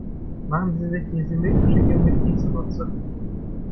Machen Sie sich die symmetrische Geometrie zunutze.